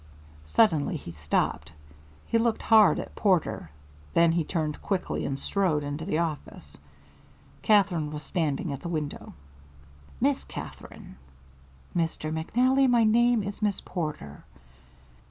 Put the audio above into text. Suddenly he stopped. He looked hard at Porter, then he turned quickly and strode into the office. Katherine was standing at the window. "Miss Katherine " "Mr. McNally, my name is Miss Porter."